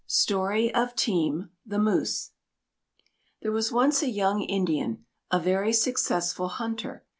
STORY OF TEAM, THE MOOSE There was once a young Indian, a very successful hunter.